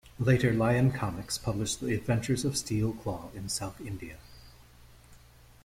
Later "Lion Comics", published the adventures of Steel Claw in South India.